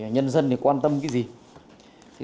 nhân dân quan tâm cái gì